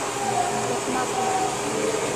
— Окмак улат!